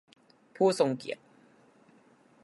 ผู้ทรงเกียรติ